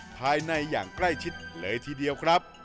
ภายในอย่างใกล้ชิดเลยทีเดียวครับ